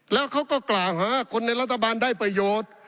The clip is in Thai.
แล้วเขาก็กล่าวหาว่าคนในรัฐบาลได้ประโยชน์